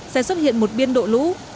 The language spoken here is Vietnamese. sẽ xuất hiện một biên độ lũ